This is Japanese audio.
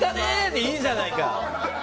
で、いいじゃないか。